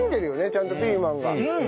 ちゃんとピーマンが。